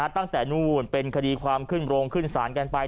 ตั้งแต่นู่นเป็นคดีความขึ้นโรงขึ้นศาลกันไป